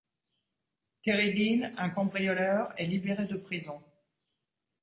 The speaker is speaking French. Terry Dean, un cambrioleur est libéré de prison.